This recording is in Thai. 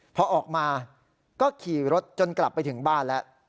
พอออกมาก็ขี่รถจนกลับไปถึงบ้านแล้ว